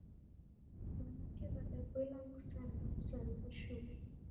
W'anake w'adaboilwa ni kusarigha msarigho shuu.